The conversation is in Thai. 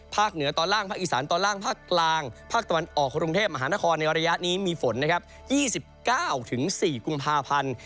เหนือตอนล่างภาคอีสานตอนล่างภาคกลางภาคตะวันออกกรุงเทพมหานครในระยะนี้มีฝนนะครับ๒๙๔กุมภาพันธ์